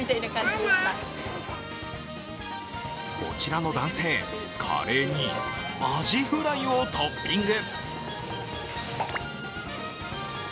こちらの男性、カレーにあじフライをトッピング。